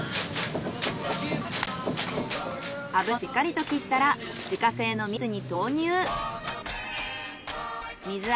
油をしっかりと切ったら自家製の蜜に投入。